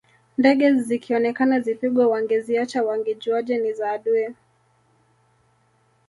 Ndege zikionekana zipigwe wangeziacha wangejuaje ni za adui